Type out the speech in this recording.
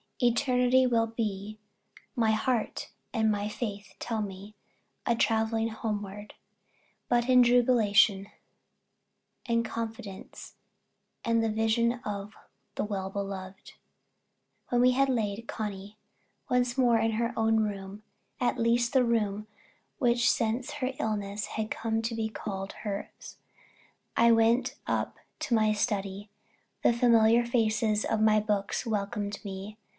Eternity will be, my heart and my faith tell me, a travelling homeward, but in jubilation and confidence and the vision of the beloved. When we had laid Connie once more in her own room, at least the room which since her illness had come to be called hers, I went up to my study. The familiar faces of my books welcomed me.